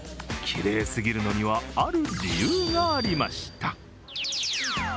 きれいすぎるのには、ある理由がありました。